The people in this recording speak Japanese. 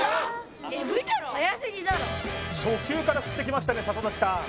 初球から振ってきましたね里崎さん